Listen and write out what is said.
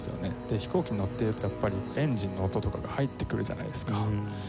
飛行機に乗っているとやっぱりエンジンの音とかが入ってくるじゃないですか。